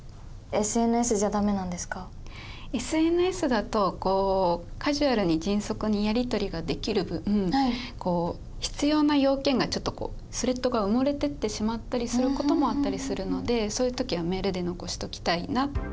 ＳＮＳだとカジュアルに迅速にやり取りができる分必要な要件がスレッドが埋もれてってしまったりすることもあったりするのでそういう時はメールで残しときたいな。